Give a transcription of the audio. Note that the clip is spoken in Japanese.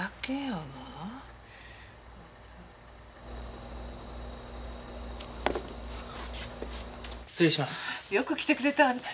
よく来てくれたわね。